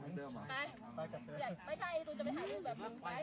เมื่อเวลามีเวลาที่ไม่เห็น